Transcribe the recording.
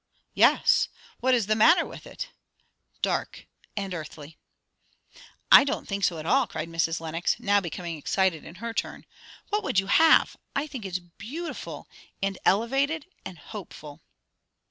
"Yes! What is the matter with it?" "Dark and earthly." "I don't think so at all!" cried Mrs. Lenox, now becoming excited in her turn. "What would you have? I think it is beautiful! And elevated; and hopeful."